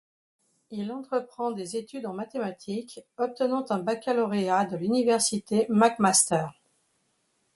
Il entreprend des études en mathématiques, obtenant un baccalauréat de l'Université McMaster.